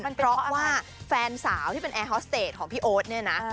เพราะว่าแฟนสาวที่เป็นแอร์ฮอสเตจของพี่โอ๊ตเนี่ยนะ